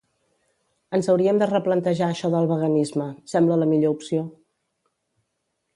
Ens hauriem de replantejar això del veganisme, sembla la millor opció.